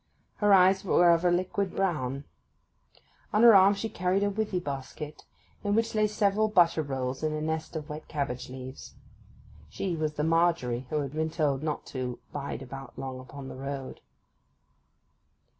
Her eyes were of a liquid brown. On her arm she carried a withy basket, in which lay several butter rolls in a nest of wet cabbage leaves. She was the 'Margery' who had been told not to 'bide about long upon the road.